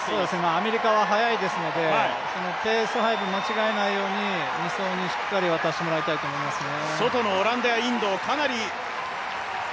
アメリカは速いですので、ペース配分を間違えないように、２走にしっかり渡してもらいたいと思いますね。